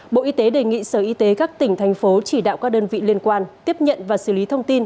bộ y tế đề nghị sở y tế các tỉnh thành phố chỉ đạo các đơn vị liên quan tiếp nhận và xử lý thông tin